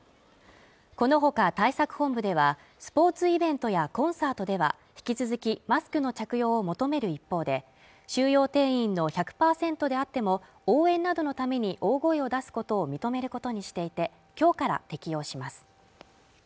このほか対策本部ではスポーツイベントやコンサートでは引き続きマスクの着用を求める一方で収容定員の１００％であっても応援などのために大声を出すことを認めることにしていて今日から適用します